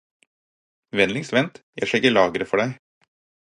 Vennligst vent, jeg sjekker lageret for deg.